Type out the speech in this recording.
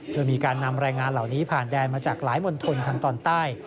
โดยมีการนำแรงงานเหล่านี้ผ่านแดนมาจากหลายมณฑลทางตอนใต้